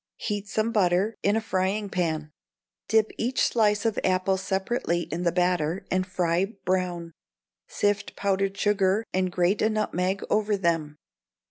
Heat some butter in a frying pan; dip each slice of apple separately in the batter, and fry brown; sift pounded sugar, and grate a nutmeg over them.